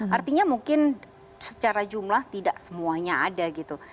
artinya mungkin secara jumlah tidak semuanya ada gitu